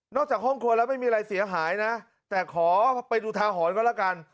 อกจากห้องครัวแล้วไม่มีอะไรเสียหายนะแต่ขอไปดูทาหรณ์ก็แล้วกัน